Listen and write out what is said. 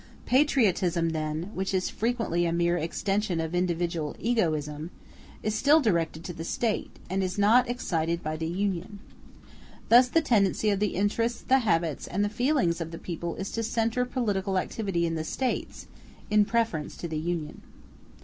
Patriotism, then, which is frequently a mere extension of individual egotism, is still directed to the State, and is not excited by the Union. Thus the tendency of the interests, the habits, and the feelings of the people is to centre political activity in the States, in preference to the Union.